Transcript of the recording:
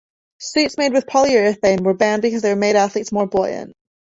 Suits made with polyurethane were banned because they made athletes more buoyant.